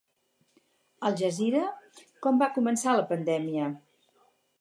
Aljazeera: Com va començar la pandèmia?